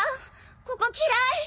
ここ嫌い。